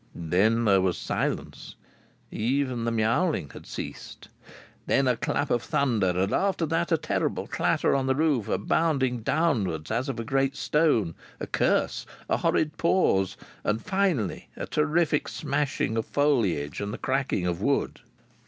Then there was silence; even the myowling had ceased. Then a clap of thunder; and then, after that, a terrific clatter on the roof, a bounding downwards as of a great stone, a curse, a horrid pause, and finally a terrific smashing of foliage and cracking of wood.